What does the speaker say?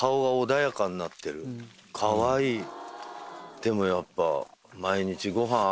でもやっぱ。